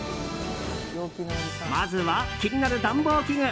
まずは気になる暖房器具。